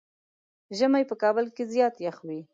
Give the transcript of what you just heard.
ژمی په کابل کې زيات يخ وي.